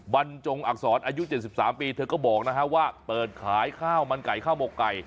บรรจงอักษรอายุ๗๓ปีเธอก็บอกนะฮะว่าเปิดขายข้าวมันไก่ข้าวหมกไก่